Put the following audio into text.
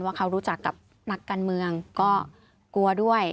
ว่าเขารู้จักกับนักการเมืองก็กลัวด้วย